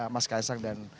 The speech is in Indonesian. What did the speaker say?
mas kaesang dan